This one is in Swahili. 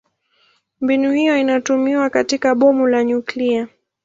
Mbinu hiyo inatumiwa katika bomu la nyuklia.